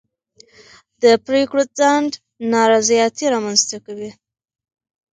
د پرېکړو ځنډ نارضایتي رامنځته کوي